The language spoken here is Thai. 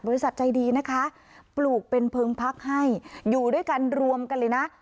ใจดีนะคะปลูกเป็นเพิงพักให้อยู่ด้วยกันรวมกันเลยนะ